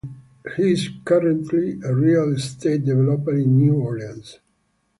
He is currently a real estate developer in New Orleans.